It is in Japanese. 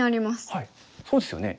はいそうですよね。